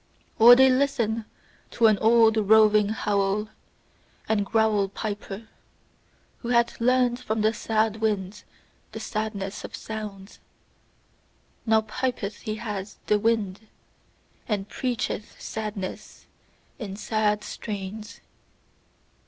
Or they listen to an old roving howl and growl piper, who hath learnt from the sad winds the sadness of sounds; now pipeth he as the wind, and preacheth sadness in sad strains.